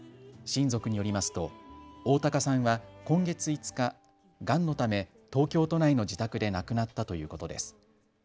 親族によりますとおおたかさんは今月５日、がんのため東京都内の自宅で亡くなったということです。